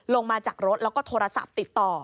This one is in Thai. ลงมาจากรถแล้วก็โทรศัพท์ติดต่อ